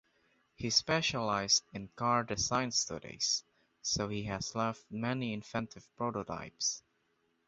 He specialised in car design studies, so he has left many inventive prototypes.